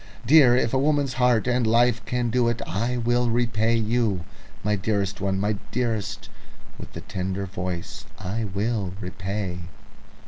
Dear, if a woman's heart and life can do it, I will repay you. My dearest one, my dearest with the tender voice, I will repay."